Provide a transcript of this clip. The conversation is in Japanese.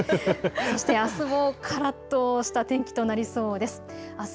そしてあすも、からっとした天気となりそうです。